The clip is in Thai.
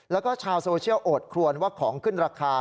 แล้วก็ชาวโซเชียลโอดครวนว่าของขึ้นราคา